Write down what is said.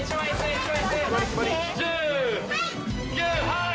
はい。